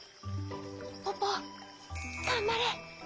ポポがんばれ！